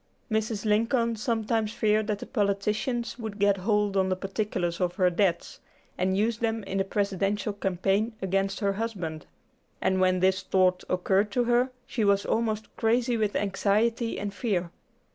Mrs. Lincoln sometimes feared that the politicians would get hold of the particulars of her debts, and use them in the Presidential campaign against her husband; and when this thought occurred to her, she was almost crazy with anxiety and fear.